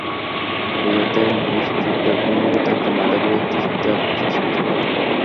রিওতে Mr ডেভলিনের মতো একজন মেধাবী ব্যক্তির সত্যিই আর বিশেষ কিছু করার নেই।